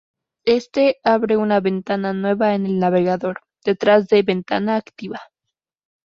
Este abre una ventana nueva en el navegador, detrás de ventana activa.